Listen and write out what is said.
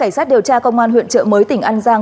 cảnh sát điều tra công an huyện trợ mới tỉnh an giang